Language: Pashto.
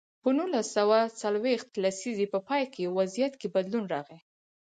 په نولس سوه څلویښت لسیزې په پای کې وضعیت کې بدلون راغی.